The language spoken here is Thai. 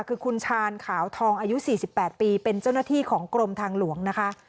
คือคุณชาญขาวทองอายุ๔๘ปีเป็นเจ้าหน้าที่ของกรมทางหลวงนะคะ